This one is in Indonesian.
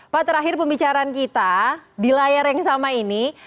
pak terakhir pembicaraan kita di layar yang sama ini